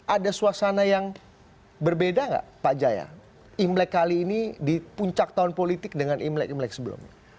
ada suasana yang berbeda nggak pak jaya imlek kali ini di puncak tahun politik dengan imlek imlek sebelumnya